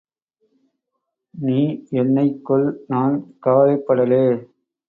நீ என்னைக் கொல் நான் கவலைப்படலே.